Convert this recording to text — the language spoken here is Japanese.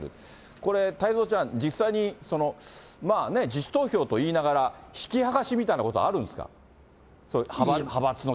これ、太蔵ちゃん、実際にまあ自主投票といいながら、引き剥がしみたいなことあるんですか？